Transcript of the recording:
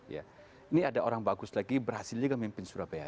ini ada orang bagus lagi berhasil juga memimpin surabaya